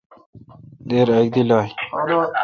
دیر اک دی لائ۔